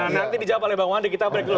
nanti dijawab oleh bang wandi kita break dulu